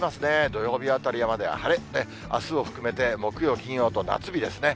土曜日あたりまでは晴れ、あすを含めて木曜、金曜と夏日ですね。